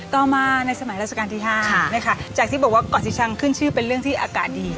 ต่อมาในสมัยราชการที่๕นะคะจากที่บอกว่าเกาะสิชังขึ้นชื่อเป็นเรื่องที่อากาศดี